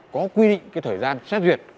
có quy định cái thời gian xét duyệt